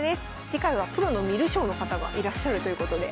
次回はプロの観る将の方がいらっしゃるということで。